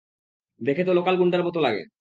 দেখে তো লোকাল গুণ্ডার মতো লাগে।